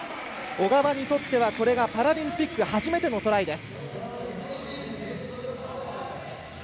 小川にとってはこれがパラリンピック初めてのトライです。